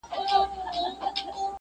بې کفنه ښه دئ، بې وطنه نه.